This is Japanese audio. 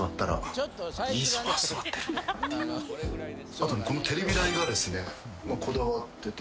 あとこのテレビ台がですねこだわってて